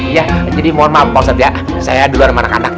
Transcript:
ya jadi mohon maaf pak pusat ya saya duluan sama anak anaknya